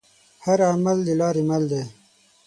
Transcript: هر عمل دلارې مل دی.